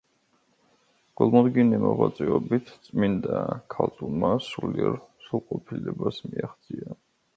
გულმოდგინე მოღვაწეობით წმინდა ქალწულმა სულიერ სრულყოფილებას მიაღწია.